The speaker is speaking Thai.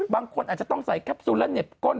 บางคนอาจจะต้องใส่แคปซูลและเหน็บก้น